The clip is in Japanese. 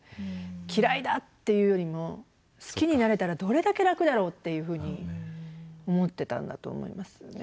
嫌いだっていうよりも好きになれたらどれだけ楽だろうっていうふうに思ってたんだと思いますね。